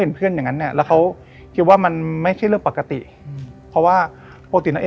จะเป็นคนที่แบบเวร่าค่ะเพราะว่าเตอร์นี้